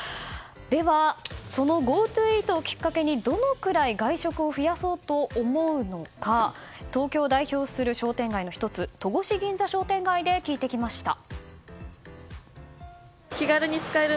では、そのＧｏＴｏイートをきっかけにどのくらい外食を増やそうと思うのか東京を代表をする商店街の１つ戸越銀座商店街で聞いてきました。